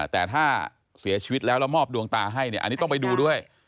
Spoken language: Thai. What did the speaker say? แต่ถ้าเสียชีวิตแล้วแล้วมอบดวงตาให้เนี่ยอันนี้ต้องไปดูด้วย